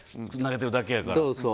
つなげてるだけやから。